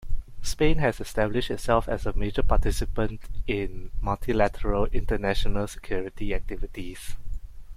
Spain has established itself as a major participant in multilateral international security activities.